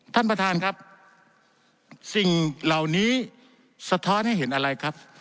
ท่านประธานครับสิ่งเหล่านี้สะท้อนให้เห็นอะไรครับ